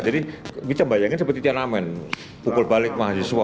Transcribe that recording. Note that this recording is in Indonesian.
jadi kita bayangin seperti tianamen pukul balik mahasiswa